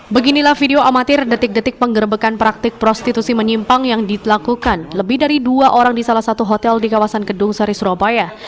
beginilah video amatir detik detik penggerbekan praktik prostitusi menyimpang yang dilakukan lebih dari dua orang di salah satu hotel di kawasan gedung sari surabaya